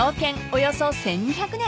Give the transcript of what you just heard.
およそ１，２００年］